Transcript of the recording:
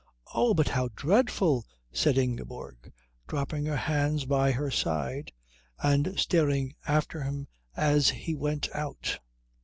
"Oh, but how dreadful!" said Ingeborg, dropping her hands by her side and staring after him as he went out.